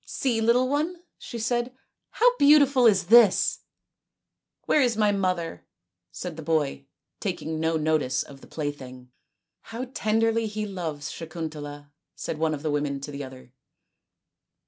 " See, little one/' she said, " how beautiful is this !"" Where is my mother ?" said the boy, taking no notice of the plaything. " How tenderly he loves Sakuntala !" said one of the women to the other.